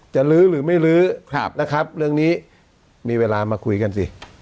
ลื้อหรือไม่ลื้อนะครับเรื่องนี้มีเวลามาคุยกันสิ